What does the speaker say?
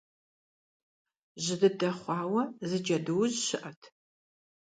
Жьы дыдэ хъуауэ зы Джэдуужь щыӀэт.